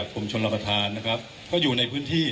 คุณผู้ชมไปฟังผู้ว่ารัฐกาลจังหวัดเชียงรายแถลงตอนนี้ค่ะ